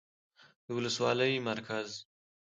، د ولسوالۍ مرکز